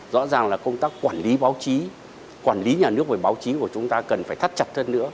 rõ ràng là công tác quản lý báo chí quản lý nhà nước về báo chí của chúng ta cần phải thắt chặt hơn nữa